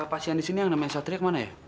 pasien disini yang namanya satria kemana ya